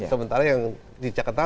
sementara yang di jakarta